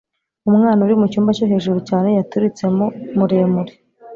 umwana uri mucyumba cyo hejuru cyane yaturitsemo muremure